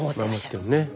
守ってるね。